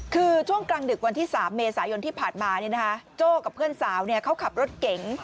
คือช่วงกลางดึกวันที่๓เมษายนที่ผ่านมาโจ้กับเพื่อนสาวเขาขับรถเก๋ง